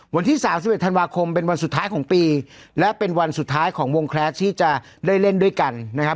วันที่สามสิบเอ็ดธันวาคมเป็นวันสุดท้ายของปีและเป็นวันสุดท้ายของวงแคลสที่จะได้เล่นด้วยกันนะครับ